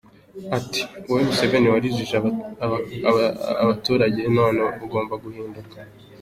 Ati: “Wowe Museveni warijije abaturage none ugomba guhinduka.